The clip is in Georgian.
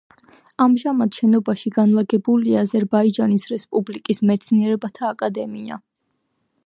ამჟამად შენობაში განლაგებულია აზერბაიჯანის რესპუბლიკის მეცნიერებათა აკადემია.